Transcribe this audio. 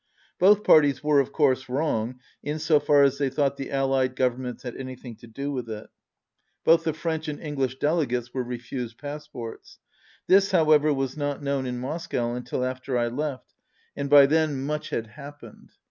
Both parties were, of course, wrong in so far as they thought the Allied Governments had anything to do with it. Both the French and English delegates were refused passports. This, however, was not known in Moscow until after I left, and by then much had 157 happened.